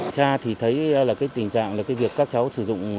cha thì thấy là cái tình trạng là cái việc các cháu sử dụng